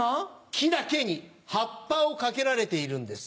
木だけにハッパをかけられているんです。